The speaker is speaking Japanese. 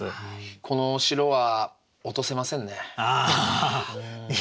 この城は落とせませんね。